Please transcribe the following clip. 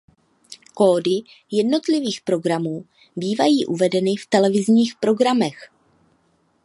Kódy jednotlivých programů bývají uvedeny v televizních programech.